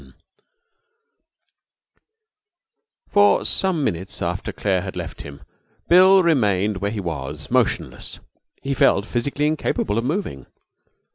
21 For some minutes after Claire had left him Bill remained where he was, motionless. He felt physically incapable of moving.